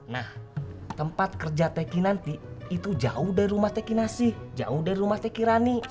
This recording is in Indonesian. nah tempat kerja teh kinanti itu jauh dari rumah teh kinasi jauh dari rumah teh kirani